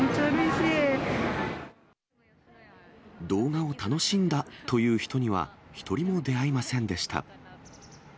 動画を楽しんだという人には、１人も出会いませんでした。